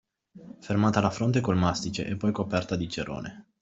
Fermata alla fronte col mastice e poi coperta di cerone.